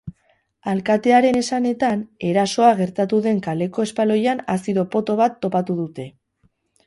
Alkatearen esanetan, erasoa gertatu den kaleko espaloian azido poto bat topatu dute.